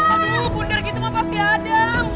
aduh bundar gitu mah pasti adam